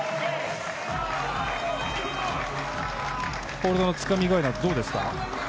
ホールドのつかみ具合などどうですか？